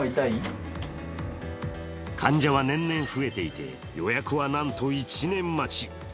患者は年々増えていて予約はなんと１年待ち。